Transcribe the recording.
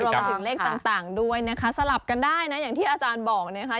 มาถึงเลขต่างด้วยนะคะสลับกันได้นะอย่างที่อาจารย์บอกนะคะ